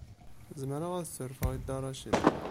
Zemreɣ ad surfeɣ i Dda Racid.